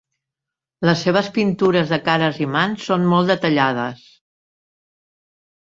Les seves pintures de cares i mans són molt detallades.